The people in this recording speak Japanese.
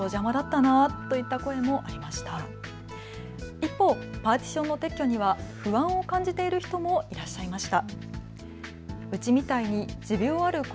一方、パーティションの撤去には不安を感じている人もいらっしゃいました。